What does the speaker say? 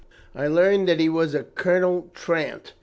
"I learned that he was a Colonel Trant.